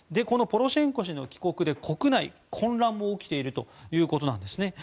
このポロシェンコ氏の帰国で国内に混乱も起きているということです。